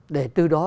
để từ đó